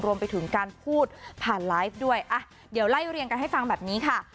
รวมไปถึงการพูดผ่านไลฟ์ด้วยอ่ะเดี๋ยวไล่เรียงกันให้ฟังแบบนี้ค่ะ